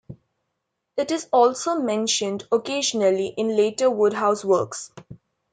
It is also mentioned occasionally in later Wodehouse works.